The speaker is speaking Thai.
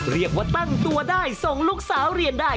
เรียกว่าตั้งตัวได้ส่งลูกสาวเรียนได้